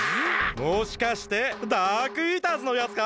もしかしてダークイーターズのやつか？